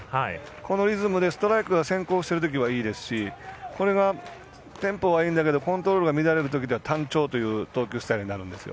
このリズムでストライクが先行しているときはいいですしこれが、テンポがいいんだけどコントロールが乱れるときは単調という投球スタイルになるんですよ。